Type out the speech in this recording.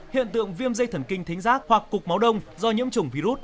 hiện tượng viêm dây thần kinh giác hoặc cục máu đông do nhiễm chủng virus